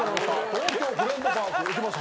『東京フレンドパーク』いきます